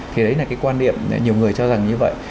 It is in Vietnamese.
thì đấy là cái quan điểm nhiều người cho rằng như vậy